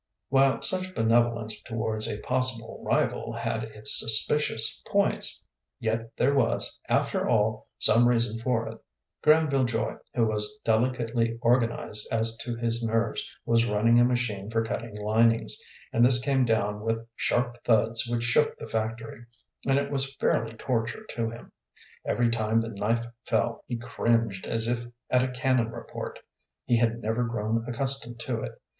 While such benevolence towards a possible rival had its suspicious points, yet there was, after all, some reason for it. Granville Joy, who was delicately organized as to his nerves, was running a machine for cutting linings, and this came down with sharp thuds which shook the factory, and it was fairly torture to him. Every time the knife fell he cringed as if at a cannon report. He had never grown accustomed to it.